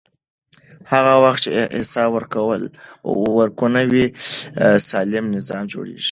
هغه وخت چې حساب ورکونه وي، سالم نظام جوړېږي.